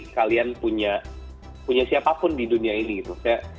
kalian punya siapapun di dunia ini gitu